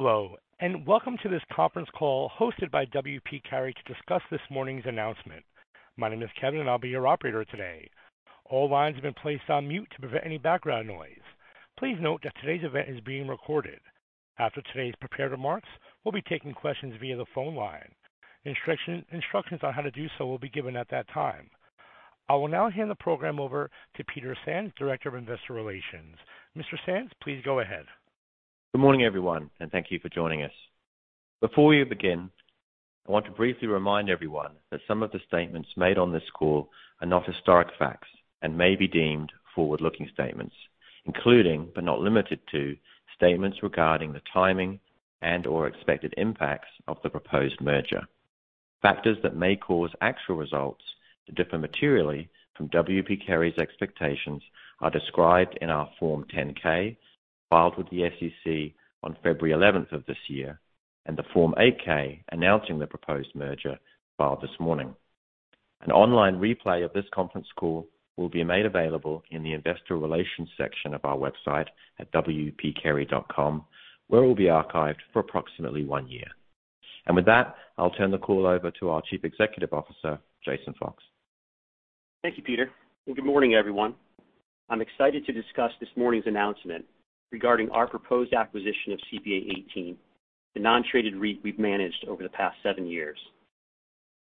Hello, and welcome to this conference call hosted by W. P. Carey to discuss this morning's announcement. My name is Kevin, and I'll be your operator today. All lines have been placed on mute to prevent any background noise. Please note that today's event is being recorded. After today's prepared remarks, we'll be taking questions via the phone line. Instructions on how to do so will be given at that time. I will now hand the program over to Peter Sands, Director of Investor Relations. Mr. Sands, please go ahead. Good morning, everyone, and thank you for joining us. Before we begin, I want to briefly remind everyone that some of the statements made on this call are not historic facts and may be deemed forward-looking statements, including, but not limited to, statements regarding the timing and/or expected impacts of the proposed merger. Factors that may cause actual results to differ materially from W. P. Carey's expectations are described in our Form 10-K filed with the SEC on February 11th of this year and the Form 8-K announcing the proposed merger filed this morning. An online replay of this conference call will be made available in the investor relations section of our website at wpcarey.com, where it will be archived for approximately one year. With that, I'll turn the call over to our Chief Executive Officer, Jason Fox. Thank you, Peter, and good morning, everyone. I'm excited to discuss this morning's announcement regarding our proposed acquisition of CPA:18, the non-traded REIT we've managed over the past 7 years.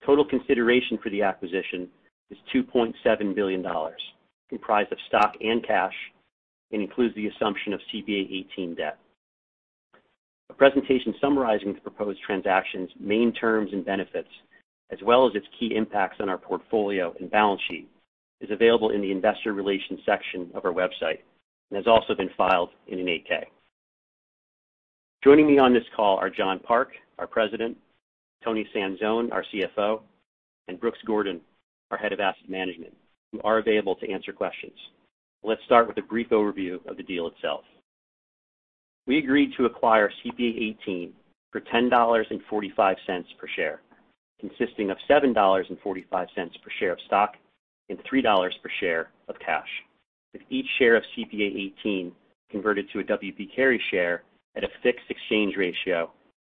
Total consideration for the acquisition is $2.7 billion, comprised of stock and cash, and includes the assumption of CPA:18 debt. A presentation summarizing the proposed transaction's main terms and benefits, as well as its key impacts on our portfolio and balance sheet, is available in the investor relations section of our website and has also been filed in an 8-K. Joining me on this call are John Park, our President; Toni Sanzone, our CFO; and Brooks Gordon, our Head of Asset Management, who are available to answer questions. Let's start with a brief overview of the deal itself. We agreed to acquire CPA:18 for $10.45 per share, consisting of $7.45 per share of stock and $3 per share of cash, with each share of CPA:18 converted to a W. P. Carey share at a fixed exchange ratio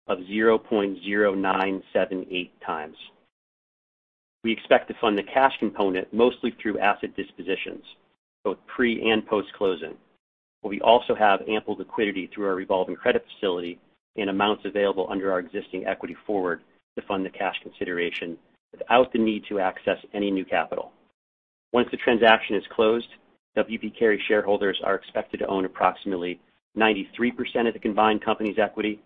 of 0.0978x. We expect to fund the cash component mostly through asset dispositions, both pre- and post-closing, but we also have ample liquidity through our revolving credit facility and amounts available under our existing equity forward to fund the cash consideration without the need to access any new capital. Once the transaction is closed, W. P. Carey shareholders are expected to own approximately 93% of the combined company's equity,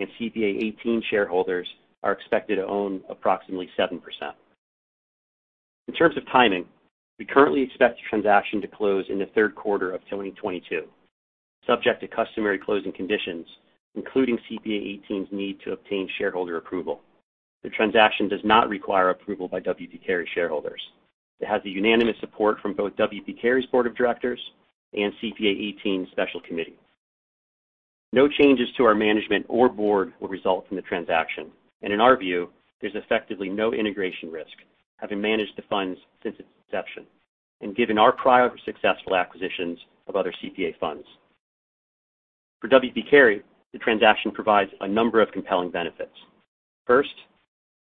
and CPA:18 shareholders are expected to own approximately 7%. In terms of timing, we currently expect the transaction to close in the third quarter of 2022, subject to customary closing conditions, including CPA:18's need to obtain shareholder approval. The transaction does not require approval by W. P. Carey shareholders. It has the unanimous support from both W. P. Carey's Board of Directors and CPA:18's special committee. No changes to our Management or Board will result from the transaction, and in our view, there's effectively no integration risk, having managed the funds since its inception and given our prior successful acquisitions of other CPA funds. For W. P. Carey, the transaction provides a number of compelling benefits. First,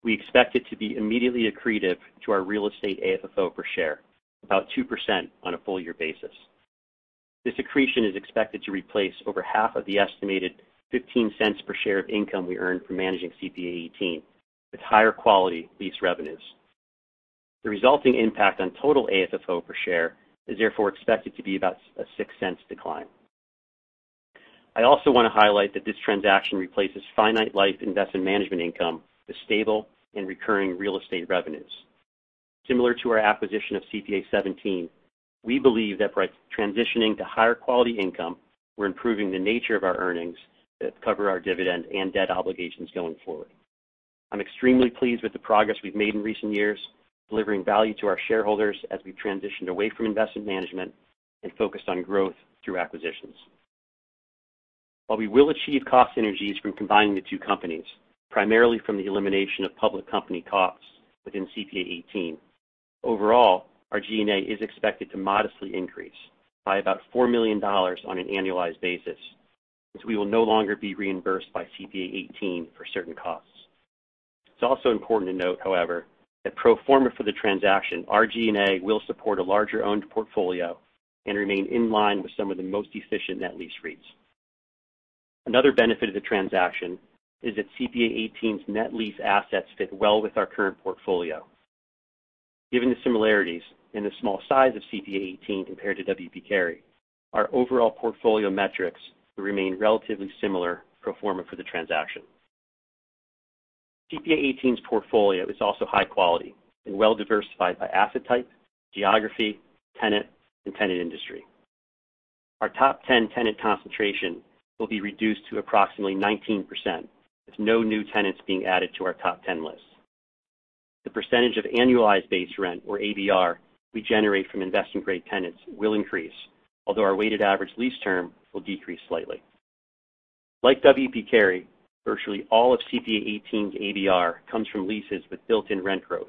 we expect it to be immediately accretive to our real estate AFFO per share, about 2% on a full year basis. This accretion is expected to replace over half of the estimated $0.15 per share of income we earned from managing CPA:18 with higher quality lease revenues. The resulting impact on total AFFO per share is therefore expected to be about a $0.06 decline. I also want to highlight that this transaction replaces finite life investment management income with stable and recurring real estate revenues. Similar to our acquisition of CPA:17, we believe that by transitioning to higher quality income, we're improving the nature of our earnings that cover our dividend and debt obligations going forward. I'm extremely pleased with the progress we've made in recent years, delivering value to our shareholders as we've transitioned away from investment management and focused on growth through acquisitions. While we will achieve cost synergies from combining the two companies, primarily from the elimination of public company costs within CPA:18, overall, our G&A is expected to modestly increase by about $4 million on an annualized basis, since we will no longer be reimbursed by CPA:18 for certain costs. It's also important to note, however, that pro forma for the transaction, our G&A will support a larger owned portfolio and remain in line with some of the most efficient net lease REITs. Another benefit of the transaction is that CPA:18's net lease assets fit well with our current portfolio. Given the similarities and the small size of CPA:18 compared to W. P. Carey, our overall portfolio metrics will remain relatively similar pro forma for the transaction. CPA:18's portfolio is also high quality and well-diversified by asset type, geography, tenant, and tenant industry. Our top 10 tenant concentration will be reduced to approximately 19%, with no new tenants being added to our top 10 list. The percentage of annualized base rent, or ABR, we generate from investment-grade tenants will increase, although our weighted average lease term will decrease slightly. Like W. P. Carey, virtually all of CPA:18's ABR comes from leases with built-in rent growth.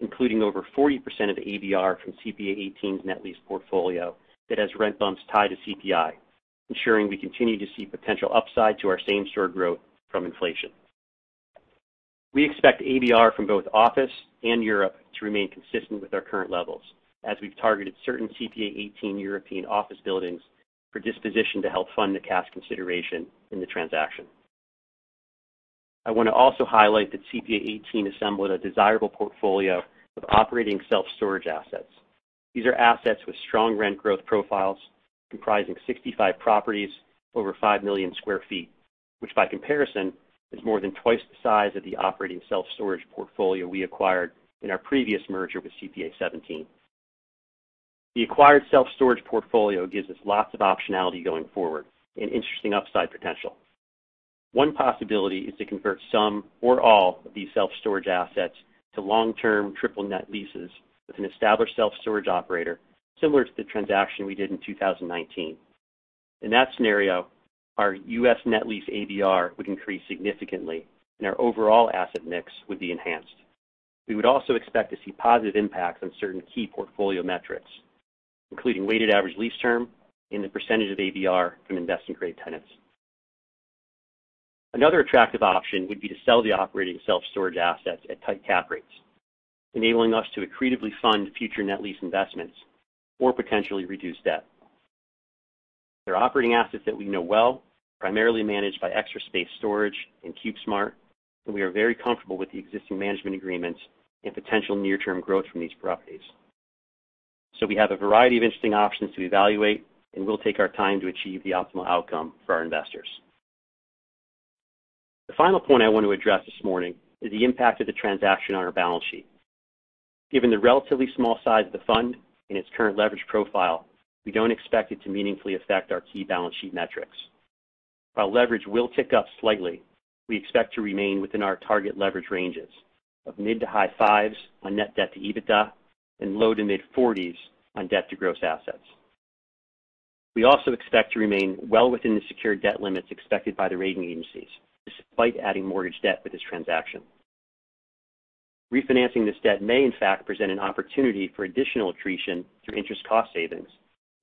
Including over 40% of the ABR from CPA:18's net lease portfolio that has rent bumps tied to CPI, ensuring we continue to see potential upside to our same-store growth from inflation. We expect ABR from both office and Europe to remain consistent with our current levels as we've targeted certain CPA:18 European office buildings for disposition to help fund the cash consideration in the transaction. I want to also highlight that CPA:18 assembled a desirable portfolio of operating self-storage assets. These are assets with strong rent growth profiles comprising 65 properties over 5 million sq ft, which by comparison, is more than twice the size of the operating self-storage portfolio we acquired in our previous merger with CPA:17. The acquired self-storage portfolio gives us lots of optionality going forward and interesting upside potential. One possibility is to convert some or all of these self-storage assets to long-term triple net leases with an established self-storage operator, similar to the transaction we did in 2019. In that scenario, our U.S. net lease ABR would increase significantly, and our overall asset mix would be enhanced. We would also expect to see positive impacts on certain key portfolio metrics, including weighted average lease term and the percentage of ABR from investment-grade tenants. Another attractive option would be to sell the operating self-storage assets at tight cap rates, enabling us to accretively fund future net lease investments or potentially reduce debt. They're operating assets that we know well, primarily managed by Extra Space Storage and CubeSmart, and we are very comfortable with the existing management agreements and potential near-term growth from these properties. We have a variety of interesting options to evaluate, and we'll take our time to achieve the optimal outcome for our investors. The final point I want to address this morning is the impact of the transaction on our balance sheet. Given the relatively small size of the fund and its current leverage profile, we don't expect it to meaningfully affect our key balance sheet metrics. While leverage will tick up slightly, we expect to remain within our target leverage ranges of mid to high fives on net debt to EBITDA and low to mid-forties on debt to gross assets. We also expect to remain well within the secured debt limits expected by the rating agencies, despite adding mortgage debt with this transaction. Refinancing this debt may in fact present an opportunity for additional accretion through interest cost savings,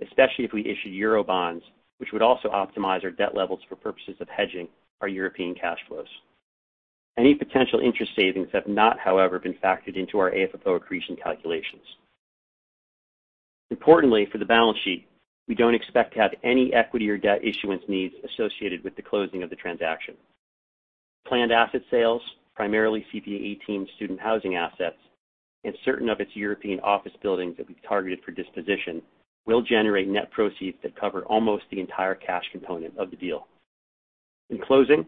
especially if we issue Euro bonds, which would also optimize our debt levels for purposes of hedging our European cash flows. Any potential interest savings have not, however, been factored into our AFFO accretion calculations. Importantly for the balance sheet, we don't expect to have any equity or debt issuance needs associated with the closing of the transaction. Planned asset sales, primarily CPA:18 student housing assets and certain of its European office buildings that we've targeted for disposition, will generate net proceeds that cover almost the entire cash component of the deal. In closing,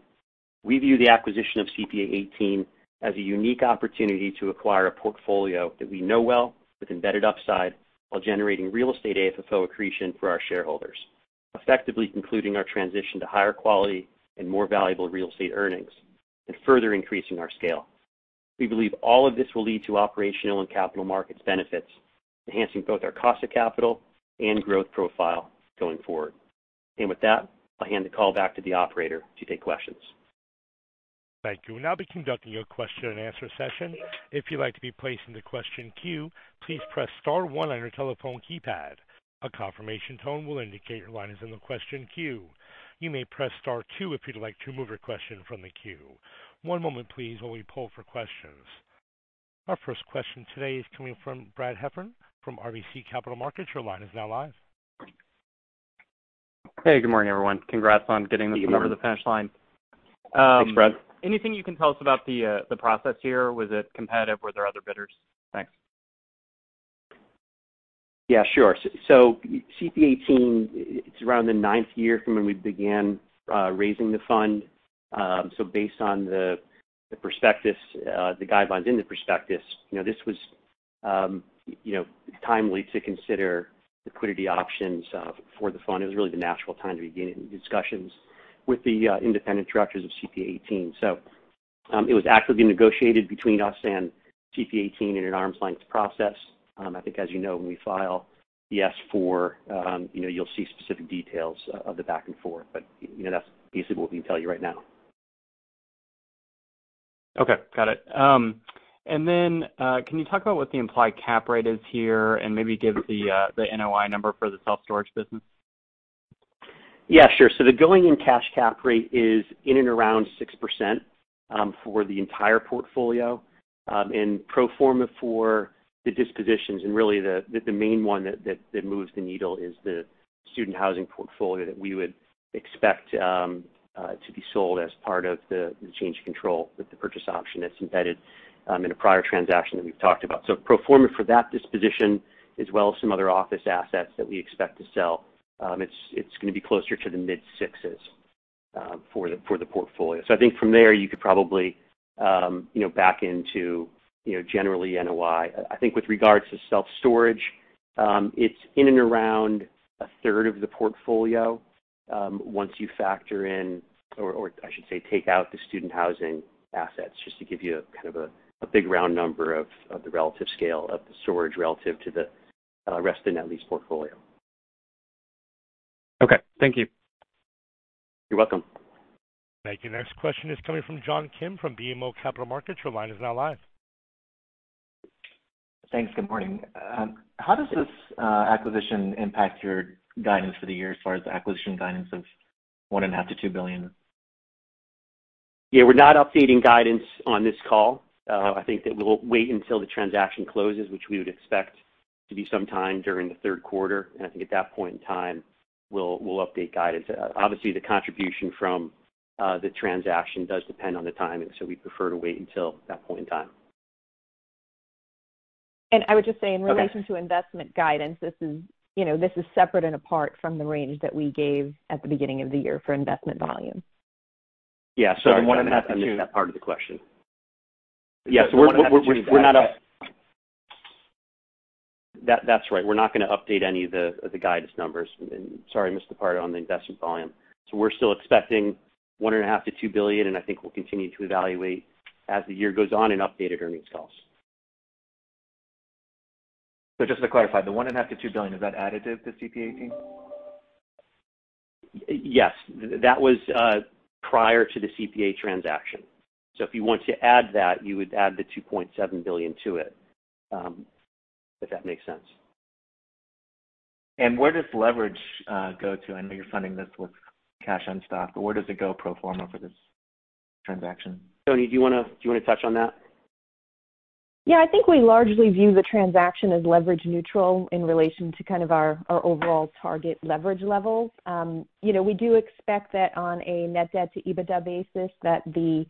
we view the acquisition of CPA:18 as a unique opportunity to acquire a portfolio that we know well with embedded upside while generating real estate AFFO accretion for our shareholders, effectively concluding our transition to higher quality and more valuable real estate earnings and further increasing our scale. We believe all of this will lead to operational and capital markets benefits, enhancing both our cost of capital and growth profile going forward. With that, I'll hand the call back to the operator to take questions. Thank you. We'll now be conducting a question-and-answer session. If you'd like to be placed in the question queue, please press star one on your telephone keypad. A confirmation tone will indicate your line is in the question queue. You may press star two if you'd like to remove your question from the queue. One moment please while we poll for questions. Our first question today is coming from Brad Heffern from RBC Capital Markets. Your line is now live. Hey, good morning, everyone. Congrats on getting this over the finish line. Thanks, Brad. Anything you can tell us about the process here? Was it competitive? Were there other bidders? Thanks. Yeah, sure. CPA:18, it's around the ninth year from when we began raising the fund. Based on the prospectus, the guidelines in the prospectus, you know, this was timely to consider liquidity options for the fund. It was really the natural time to begin discussions with the independent directors of CPA:18. It was actively negotiated between us and CPA:18 in an arm's length process. I think as you know, when we file the S-4, you know, you'll see specific details of the back and forth, but you know, that's basically what we can tell you right now. Okay, got it. Can you talk about what the implied cap rate is here and maybe give the NOI number for the self-storage business? Yeah, sure. The going-in cash cap rate is in and around 6%, for the entire portfolio, and pro forma for the dispositions and really the main one that moves the needle is the student housing portfolio that we would expect to be sold as part of the change of control with the purchase option that's embedded in a prior transaction that we've talked about. Pro forma for that disposition as well as some other office assets that we expect to sell, it's going to be closer to the mid-6%, for the portfolio. I think from there you could probably, you know, back into, you know, generally NOI. I think with regards to self-storage, it's in and around a third of the portfolio, once you factor in, or I should say, take out the student housing assets, just to give you kind of a big round number of the relative scale of the storage relative to the rest of the net lease portfolio. Okay. Thank you. You're welcome. Thank you. Next question is coming from John Kim from BMO Capital Markets. Your line is now live. Thanks. Good morning. How does this acquisition impact your guidance for the year as far as the acquisition guidance of $1.5 billion-$2 billion? Yeah, we're not updating guidance on this call. I think that we'll wait until the transaction closes, which we would expect to be sometime during the third quarter. I think at that point in time, we'll update guidance. Obviously, the contribution from the transaction does depend on the timing, so we prefer to wait until that point in time. I would just say in relation- Okay. To investment guidance, this is, you know, this is separate and apart from the range that we gave at the beginning of the year for investment volume. Yeah. Sorry. I missed that part of the question. We're not going to update any of the guidance numbers. Sorry, I missed the part on the investment volume. We're still expecting $1.5 billion-$2 billion, and I think we'll continue to evaluate as the year goes on in updated earnings calls. Just to clarify, the $1.5 billion-$2 billion, is that additive to CPA:18? Yes. That was prior to the CPA transaction. If you want to add that, you would add the $2.7 billion to it, if that makes sense. Where does leverage go to? I know you're funding this with cash and stock, but where does it go pro forma for this transaction? Toni, do you want to touch on that? Yeah. I think we largely view the transaction as leverage neutral in relation to kind of our overall target leverage levels. You know, we do expect that on a net debt to EBITDA basis that the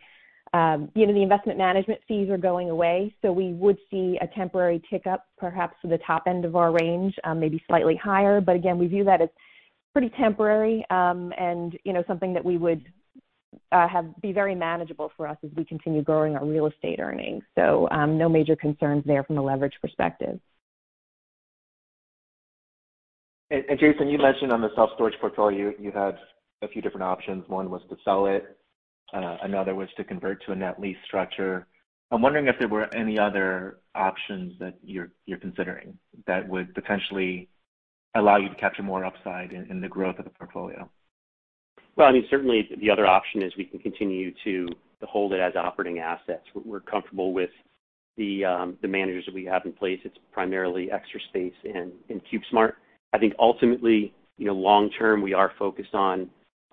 you know, the investment management fees are going away, so we would see a temporary tick-up perhaps to the top end of our range, maybe slightly higher. Again, we view that as pretty temporary, and you know, something that we would be very manageable for us as we continue growing our real estate earnings. No major concerns there from a leverage perspective. Jason, you mentioned on the self-storage portfolio you had a few different options. One was to sell it, another was to convert to a net lease structure. I'm wondering if there were any other options that you're considering that would potentially allow you to capture more upside in the growth of the portfolio. Well, I mean, certainly the other option is we can continue to hold it as operating assets. We're comfortable with the managers that we have in place. It's primarily Extra Space and CubeSmart. I think ultimately, you know, long term, we are focused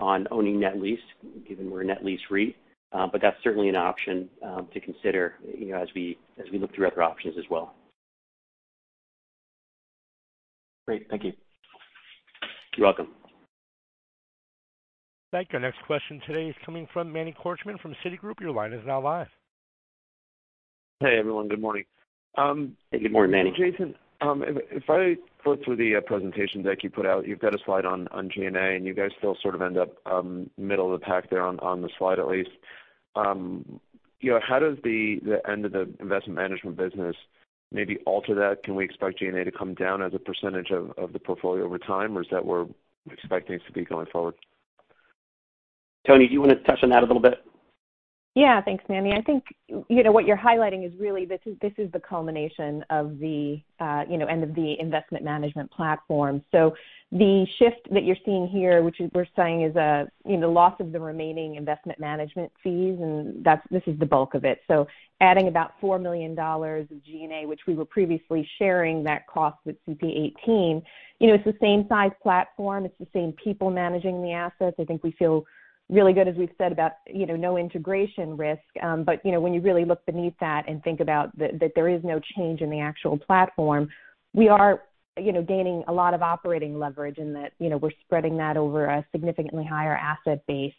on owning net lease, given we're a net lease REIT. But that's certainly an option to consider, you know, as we look through other options as well. Great. Thank you. You're welcome. Thank you. Our next question today is coming from Manny Korchman from Citigroup. Your line is now live. Hey, everyone. Good morning. Hey, good morning, Manny. Jason, if I flip through the presentation deck you put out, you've got a slide on G&A, and you guys still sort of end up middle of the pack there on the slide at least. You know, how does the end of the investment management business maybe alter that? Can we expect G&A to come down as a percentage of the portfolio over time, or is that where we're expecting it to be going forward? Toni, do you want to touch on that a little bit? Yeah. Thanks, Manny. I think, you know, what you're highlighting is really this is the culmination of the end of the investment management platform. The shift that you're seeing here, which is we're saying is a, you know, loss of the remaining investment management fees, and that's this is the bulk of it. Adding about $4 million of G&A, which we were previously sharing that cost with CPA:18, you know, it's the same size platform, it's the same people managing the assets. I think we feel really good, as we've said about, you know, no integration risk. You know, when you really look beneath that and think about that there is no change in the actual platform, we are, you know, gaining a lot of operating leverage in that, you know, we're spreading that over a significantly higher asset base.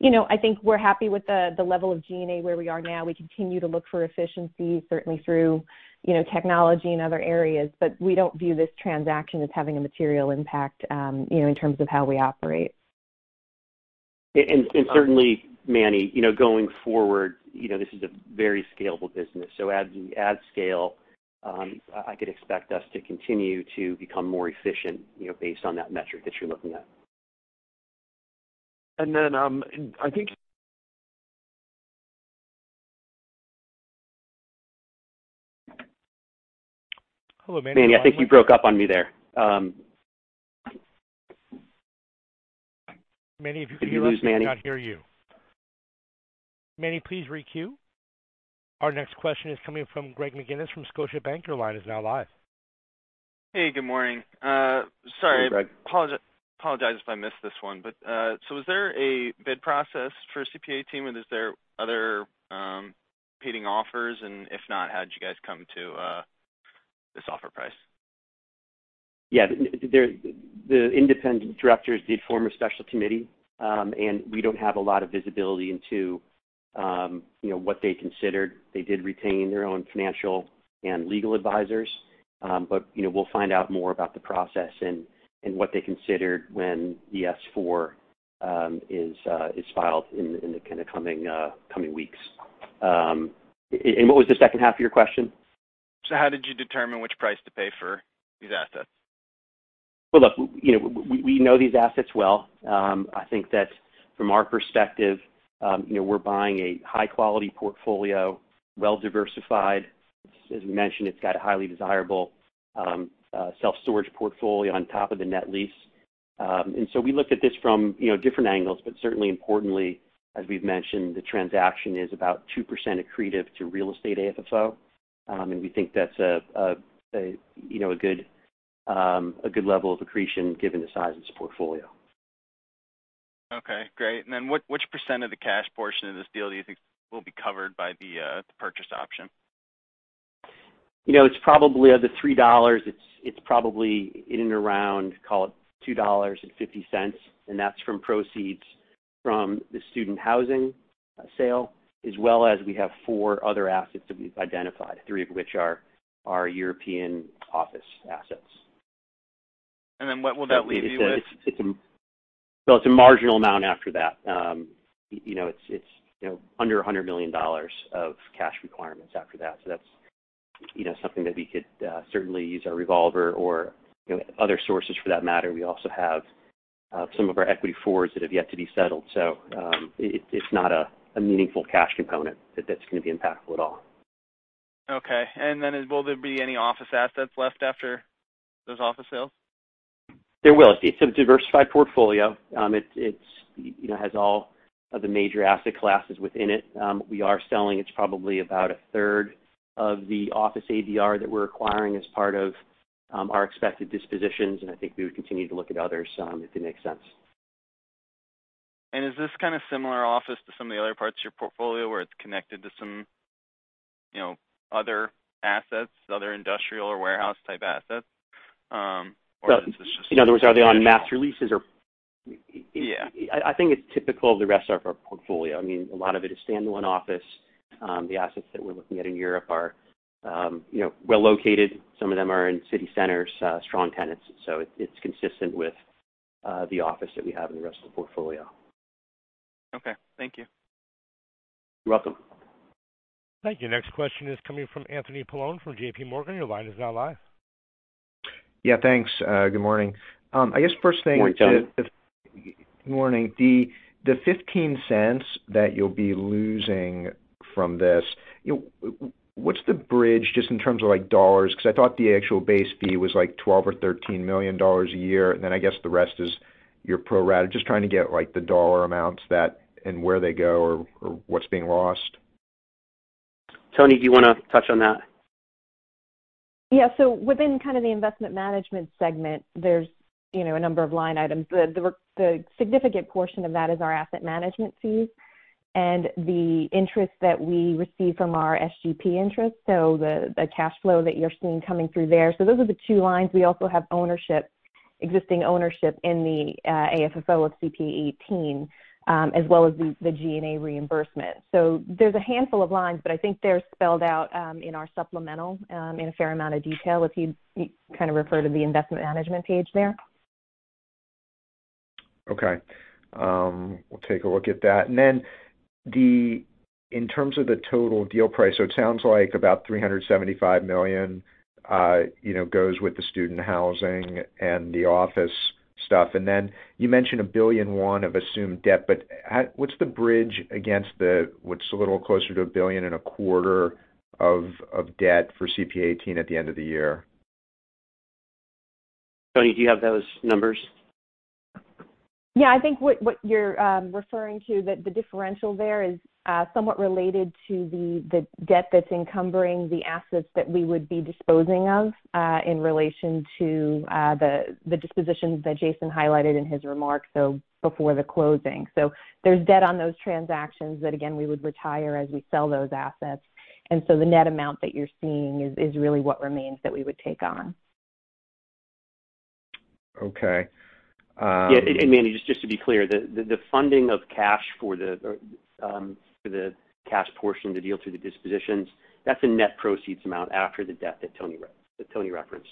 You know, I think we're happy with the level of G&A where we are now. We continue to look for efficiency, certainly through, you know, technology and other areas, but we don't view this transaction as having a material impact, you know, in terms of how we operate. Certainly, Manny, you know, going forward, you know, this is a very scalable business. As we add scale, I could expect us to continue to become more efficient, you know, based on that metric that you're looking at. I think. Manny, I think you broke up on me there. Manny, if you can hear us, we cannot hear you. Manny, please re-queue. Our next question is coming from Greg McGinnis from Scotiabank. Your line is now live. Hey, good morning. Sorry. Hey, Greg. Apologize if I missed this one, but was there a bid process for CPA:18, and is there other competing offers? If not, how did you guys come to this offer price? Yeah. The Independent Directors did form a special committee, and we don't have a lot of visibility into, you know, what they considered. They did retain their own financial and legal advisors, but, you know, we'll find out more about the process and what they considered when the S-4 is filed in the kind of coming weeks. What was the second half of your question? How did you determine which price to pay for these assets? Well, look, you know, we know these assets well. I think that from our perspective, you know, we're buying a high-quality portfolio, well-diversified. As we mentioned, it's got a highly desirable self-storage portfolio on top of the net lease. We looked at this from different angles, but certainly importantly, as we've mentioned, the transaction is about 2% accretive to real estate AFFO. We think that's a good level of accretion given the size of this portfolio. Okay, great. Which % of the cash portion of this deal do you think will be covered by the purchase option? You know, it's probably of the $3, it's probably in and around, call it $2.50, and that's from proceeds from the student housing sale, as well as we have four other assets that we've identified, three of which are European office assets. What will that leave you with? Well, it's a marginal amount after that. You know, it's under $100 million of cash requirements after that. That's you know, something that we could certainly use our revolver or other sources for that matter. We also have some of our equity forwards that have yet to be settled. It's not a meaningful cash component that's going to be impactful at all. Okay. Will there be any office assets left after those office sales? There will. It's a diversified portfolio. It's, you know, has all of the major asset classes within it. We are selling, it's probably about 1/3 of the office ABR that we're acquiring as part of our expected dispositions, and I think we would continue to look at others, if it makes sense. Is this kind of similar office to some of the other parts of your portfolio where it's connected to some, you know, other assets, other industrial or warehouse-type assets? Or is this just- Well, in other words, are they on master leases or? Yeah. I think it's typical of the rest of our portfolio. I mean, a lot of it is standalone office. The assets that we're looking at in Europe are, you know, well located. Some of them are in city centers, strong tenants. It's consistent with the office that we have in the rest of the portfolio. Okay, thank you. You're welcome. Thank you. Next question is coming from Anthony Paolone from JPMorgan. Your line is now live. Yeah, thanks. Good morning. I guess first thing. Good morning, Tony. Good morning. The $0.15 that you'll be losing from this, you know, what's the bridge just in terms of, like, dollars? Because I thought the actual base fee was, like, $12 million or $13 million a year, and then I guess the rest is your pro rata. Just trying to get, like, the dollar amounts that, and where they go or what's being lost. Toni, do you want to touch on that? Yeah. Within kind of the Investment Management segment, there's, you know, a number of line items. The significant portion of that is our asset management fees and the interest that we receive from our SLP interest, so the cash flow that you're seeing coming through there. Those are the two lines. We also have ownership, existing ownership in the AFFO of CPA:18, as well as the G&A reimbursement. There's a handful of lines, but I think they're spelled out in our supplemental in a fair amount of detail, if you kind of refer to the Investment Management page there. Okay. We'll take a look at that. In terms of the total deal price, so it sounds like about $375 million, you know, goes with the student housing and the office stuff. You mentioned $1.1 billion of assumed debt, but what's a little closer to $1.25 billion of debt for CPA:18 at the end of the year? Toni, do you have those numbers? Yeah. I think what you're referring to, the differential there is somewhat related to the debt that's encumbering the assets that we would be disposing of in relation to the dispositions that Jason highlighted in his remarks, so before the closing. There's debt on those transactions that again, we would retire as we sell those assets. The net amount that you're seeing is really what remains that we would take on. Okay. Manny, just to be clear, the funding of cash for the cash portion of the deal through the dispositions, that's a net proceeds amount after the debt that Toni referenced.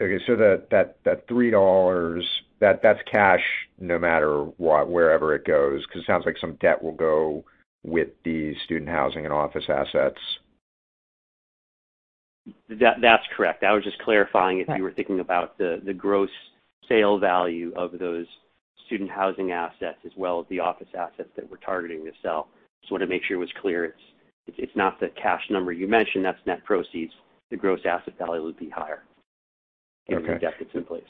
Okay. That $3, that's cash no matter what, wherever it goes, because it sounds like some debt will go with the student housing and office assets. That's correct. I was just clarifying if you were thinking about the gross sale value of those student housing assets as well as the office assets that we're targeting to sell. Just want to make sure it was clear. It's not the cash number you mentioned, that's net proceeds. The gross asset value would be higher. Okay. ...in the debt that's in place.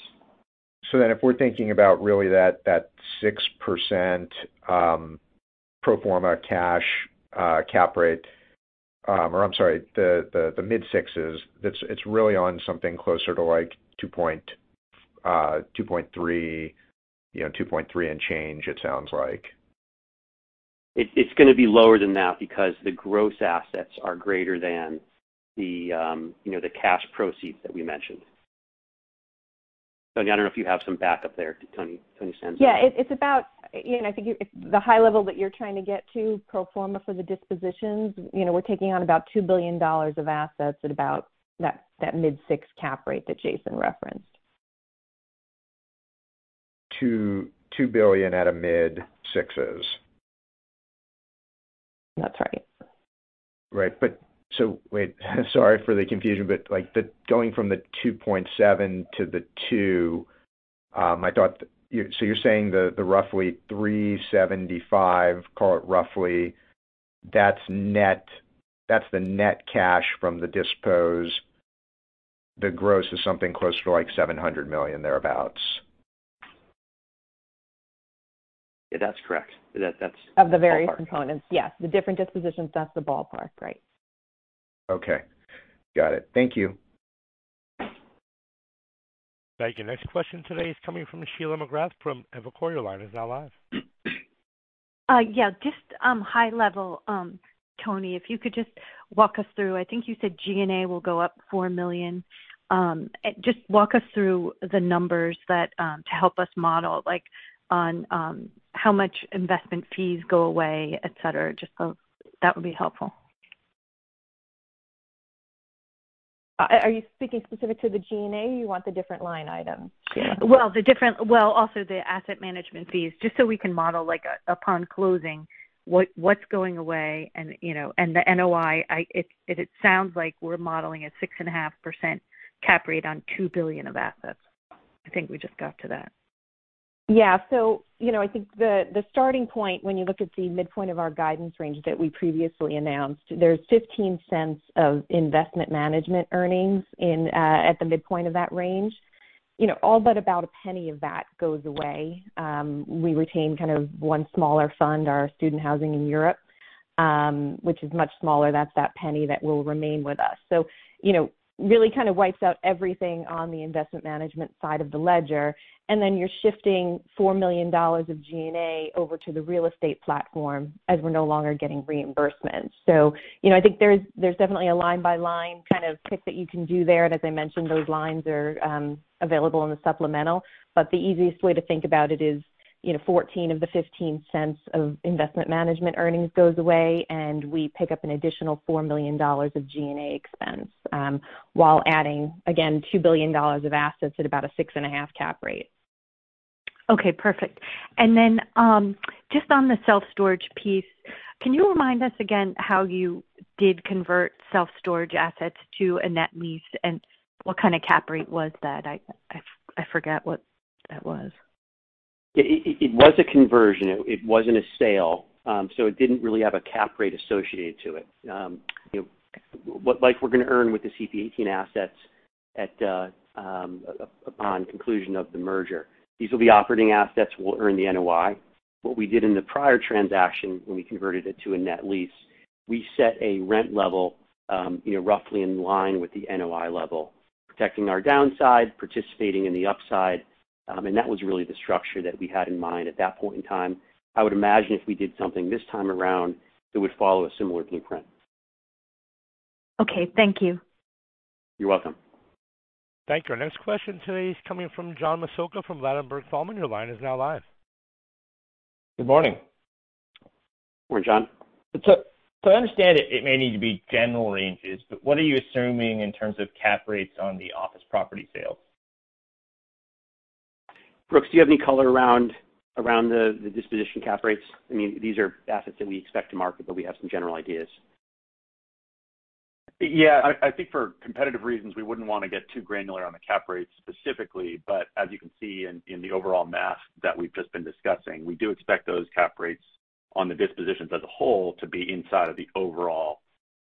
If we're thinking about really that 6% pro forma cash cap rate or I'm sorry the mid-6% that's it's really on something closer to like $2.3 billion you know $2.3 billion and change it sounds like. It's going to be lower than that because the gross assets are greater than, you know, the cash proceeds that we mentioned. Toni, I don't know if you have some backup there to Tony's, and- Yeah. It's about you know, I think the high level that you're trying to get to pro forma for the dispositions, you know, we're taking on about $2 billion of assets at about that mid-6% cap rate that Jason referenced. $2 billion at a mid-sixes. That's right. Right. Wait, sorry for the confusion, but like the going from the $2.7 billion to the $2 billion. You're saying the roughly $375 million, call it roughly, that's net. That's the net cash from the disposition. The gross is something closer to, like, $700 million thereabouts. Yeah, that's correct. That's... Of the various components. Yes. The different dispositions, that's the ballpark. Right. Okay. Got it. Thank you. Thank you. Next question today is coming from Sheila McGrath from Evercore. Your line is now live. Yeah, just high level, Toni, if you could just walk us through. I think you said G&A will go up $4 million. Just walk us through the numbers to help us model, like, on how much investment fees go away, et cetera. That would be helpful. Are you speaking specific to the G&A, or you want the different line items? Well, also the asset management fees, just so we can model, like, upon closing what's going away and, you know, and the NOI. It sounds like we're modeling at 6.5% cap rate on $2 billion of assets. I think we just got to that. Yeah. You know, I think the starting point when you look at the midpoint of our guidance range that we previously announced, there's $0.15 of investment management earnings in at the midpoint of that range. You know, all but about $0.01 of that goes away. We retain kind of one smaller fund, our student housing in Europe, which is much smaller. That's that penny that will remain with us. You know, really kind of wipes out everything on the investment management side of the ledger. Then you're shifting $4 million of G&A over to the real estate platform as we're no longer getting reimbursements. You know, I think there's definitely a line-by-line kind of pick that you can do there. And as I mentioned, those lines are available in the supplemental. The easiest way to think about it is, you know, $0.14 of the $0.15 of investment management earnings goes away, and we pick up an additional $4 million of G&A expense while adding, again, $2 billion of assets at about a 6.5% cap rate. Okay. Perfect. Just on the self-storage piece, can you remind us again how you did convert self-storage assets to a net lease and what kind of cap rate was that? I forget what that was. It was a conversion. It wasn't a sale. So, it didn't really have a cap rate associated to it. You know, like, we're going to earn with the CPA:18 assets upon conclusion of the merger. These will be operating assets. We'll earn the NOI. What we did in the prior transaction when we converted it to a net lease, we set a rent level, you know, roughly in line with the NOI level, protecting our downside, participating in the upside. That was really the structure that we had in mind at that point in time. I would imagine if we did something this time around, it would follow a similar blueprint. Okay, thank you. You're welcome. Thank you. Our next question today is coming from John Massocca from Ladenburg Thalmann. Your line is now live. Good morning. Morning, John. I understand it may need to be general ranges, but what are you assuming in terms of cap rates on the office property sales? Brooks, do you have any color around the disposition cap rates? I mean, these are assets that we expect to market, but we have some general ideas. Yeah. I think for competitive reasons, we wouldn't want to get too granular on the cap rates specifically. As you can see in the overall math that we've just been discussing, we do expect those cap rates on the dispositions as a whole to be inside of the overall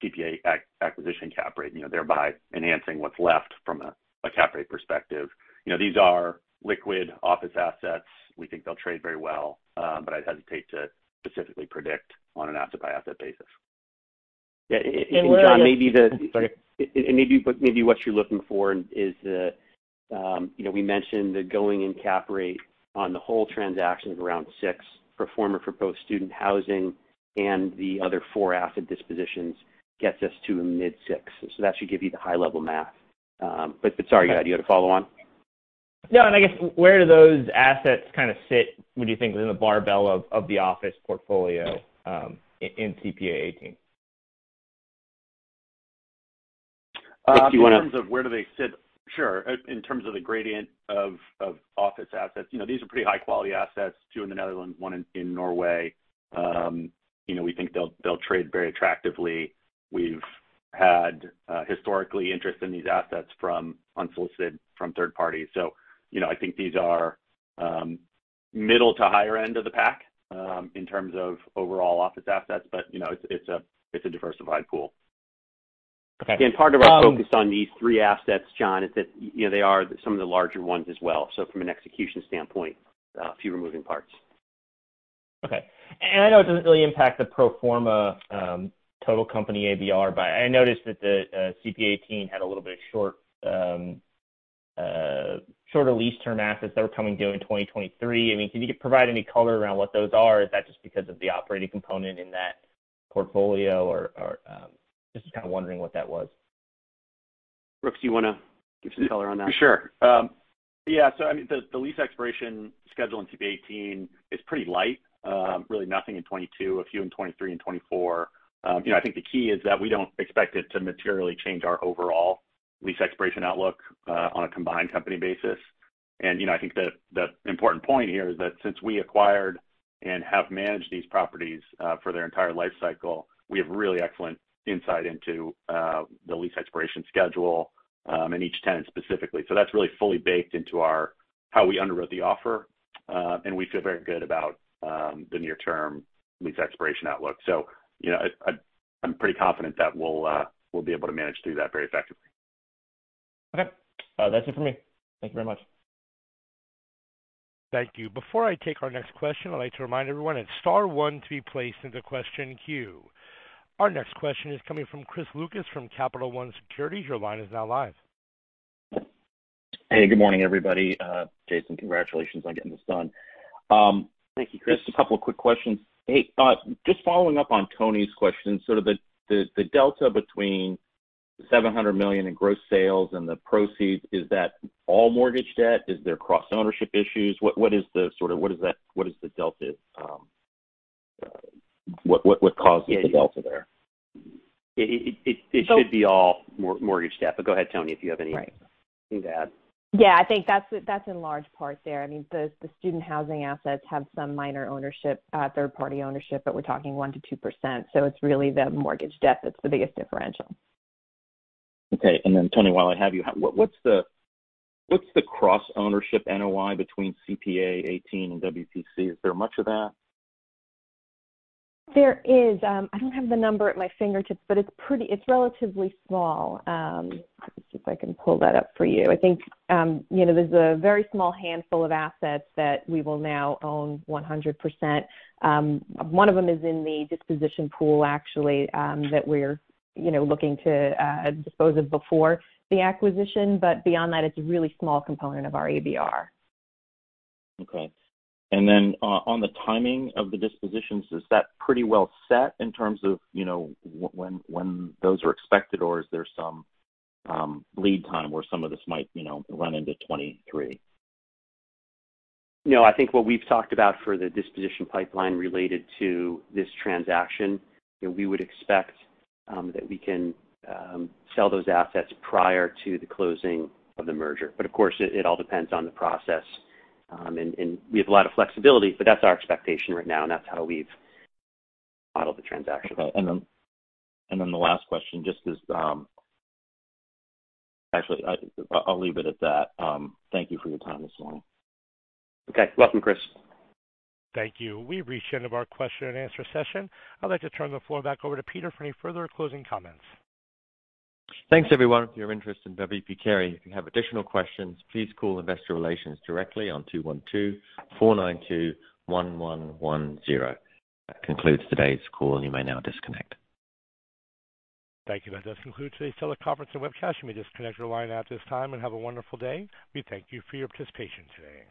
CPA acquisition cap rate, you know, thereby enhancing what's left from a cap rate perspective. You know, these are liquid office assets. We think they'll trade very well, but I'd hesitate to specifically predict on an asset-by-asset basis. Yeah. John, maybe the- Sorry. Maybe what you're looking for is the, you know, we mentioned the going in cap rate on the whole transaction of around 6% pro forma for both student housing and the other 4 asset dispositions gets us to a mid-6%. That should give you the high-level math. Sorry, did you have a follow on? No. I guess where do those assets kind of sit, would you think, in the barbell of the office portfolio in CPA:18? Brooks, do you want to- In terms of where do they sit? Sure. In terms of the gradient of office assets, you know, these are pretty high-quality assets, two in the Netherlands, one in Norway. You know, we think they'll trade very attractively. We've had historical interest in these assets from unsolicited from third parties. You know, I think these are middle to higher end of the pack in terms of overall office assets. You know, it's a diversified pool. Okay. Part of our focus on these three assets, John, is that, you know, they are some of the larger ones as well. From an execution standpoint, fewer moving parts. Okay. I know it doesn't really impact the pro forma total company ABR, but I noticed that the CPA:18 had a little bit of shorter lease term assets that were coming due in 2023. I mean, can you provide any color around what those are? Is that just because of the operating component in that portfolio or just kind of wondering what that was. Brooks, do you want to give some color on that? Sure. I mean, the lease expiration schedule in CPA:18 is pretty light. Really nothing in 2022, a few in 2023 and 2024. You know, I think the key is that we don't expect it to materially change our overall lease expiration outlook on a combined company basis. You know, I think the important point here is that since we acquired. We have managed these properties for their entire life cycle. We have really excellent insight into the lease expiration schedule and each tenant specifically. That's really fully baked into our how we underwrote the offer. We feel very good about the near-term lease expiration outlook. You know, I'm pretty confident that we'll be able to manage through that very effectively. Okay. That's it for me. Thank you very much. Thank you. Before I take our next question, I'd like to remind everyone it's star one to be placed in the question queue. Our next question is coming from Chris Lucas from Capital One Securities. Your line is now live. Hey, good morning, everybody. Jason, congratulations on getting this done. Thank you, Chris. Just a couple of quick questions. Hey, just following up on Tony's question, sort of the delta between $700 million in gross sales and the proceeds, is that all mortgage debt? Is there cross-ownership issues? What is the sort of delta? What is that? What is the delta? What causes the delta there? It should be all mortgage debt, but go ahead, Toni, if you have anything to add. Yeah, I think that's in large part there. I mean, the student housing assets have some minor ownership, third-party ownership, but we're talking 1%-2%, so it's really the mortgage debt that's the biggest differential. Okay. Toni, while I have you, what's the cross-ownership NOI between CPA:18 and WPC? Is there much of that? There is. I don't have the number at my fingertips, but it's relatively small. Let me see if I can pull that up for you. I think, you know, there's a very small handful of assets that we will now own 100%. One of them is in the disposition pool, actually, that we're, you know, looking to dispose of before the acquisition, but beyond that, it's a really small component of our ABR. Okay. On the timing of the dispositions, is that pretty well set in terms of, you know, when those are expected, or is there some lead time where some of this might, you know, run into 2023? No, I think what we've talked about for the disposition pipeline related to this transaction, we would expect that we can sell those assets prior to the closing of the merger. Of course, it all depends on the process. We have a lot of flexibility, but that's our expectation right now, and that's how we've modeled the transaction. Okay. Then the last question. Actually, I'll leave it at that. Thank you for your time this morning. Okay. Welcome, Chris. Thank you. We've reached the end of our question-and-answer session. I'd like to turn the floor back over to Peter for any further closing comments. Thanks, everyone, for your interest in W. P. Carey. If you have additional questions, please call investor relations directly on 212-492-1110. That concludes today's call. You may now disconnect. Thank you. That does conclude today's teleconference and webcast. You may disconnect your line at this time and have a wonderful day. We thank you for your participation today.